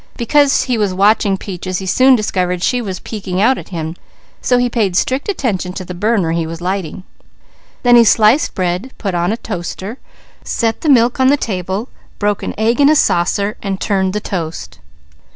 Because he was watching Peaches he soon discovered she was peeking out at him, so he paid strict attention to the burner he was lighting. Then he sliced bread, put on a toaster, set the milk on the table, broke an egg in a saucer, and turned the toast.